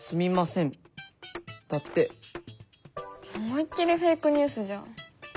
思いっ切りフェイクニュースじゃん。